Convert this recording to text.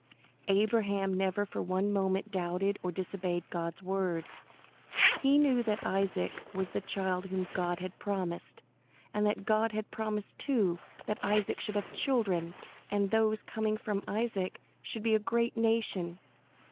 Abraham never for one moment doubted or disobeyed God's word. He knew that Isaac was the child whom God had promised, and that God had promised, too, that Isaac should have children, and that those coming from Isaac should be a great nation.